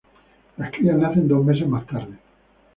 Las crías nacen dos meses más tarde.